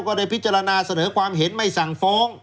ก็ได้พิจารณาเสนอความเห็นไม่สั่งฟ้อง